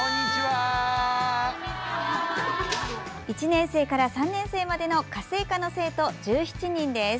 １年生から３年生までの家政科の生徒、１７人です。